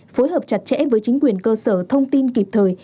phối hợp chặt chẽ với chính quyền cơ sở thông tin kịp thời